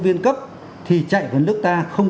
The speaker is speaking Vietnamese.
viên cấp thì chạy vào nước ta không